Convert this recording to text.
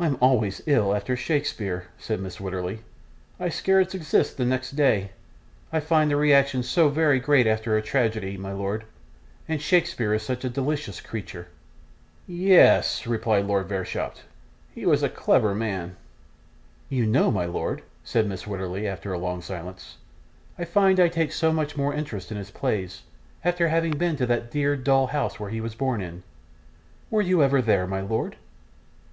'I'm always ill after Shakespeare,' said Mrs. Wititterly. 'I scarcely exist the next day; I find the reaction so very great after a tragedy, my lord, and Shakespeare is such a delicious creature.' 'Ye es!' replied Lord Verisopht. 'He was a clayver man.' 'Do you know, my lord,' said Mrs. Wititterly, after a long silence, 'I find I take so much more interest in his plays, after having been to that dear little dull house he was born in! Were you ever there, my lord?